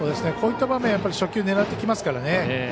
こういった場面初球狙ってきますからね。